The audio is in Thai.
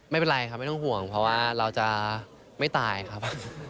ไม่เป็นไรครับไม่ต้องห่วงเพราะว่าเราจะไม่ตายครับ